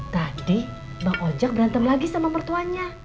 tadi bang ojek berantem lagi sama mertuanya